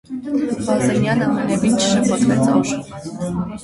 Բազենյանն ամենևին չշփոթվեց օր.